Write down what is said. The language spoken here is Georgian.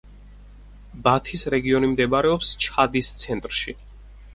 ბათის რეგიონი მდებარეობს ჩადის ცენტრში.